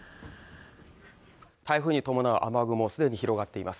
台風に伴う雨雲すでに広がっています